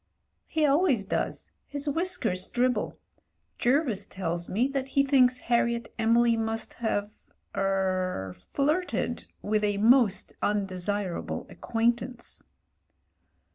"He always does. His whiskers dribble. Jervis tells me that he thinks Harriet Emily must have — er — flirted with a most undesirable acquaintance."